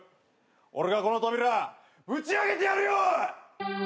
俺がこの扉ぶち開けてやるよ！